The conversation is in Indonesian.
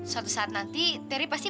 suatu saat nanti teri pasti